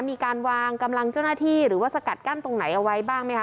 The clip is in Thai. มีการวางกำลังเจ้าหน้าที่หรือว่าสกัดกั้นตรงไหนเอาไว้บ้างไหมคะ